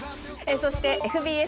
そしてＦＢＳ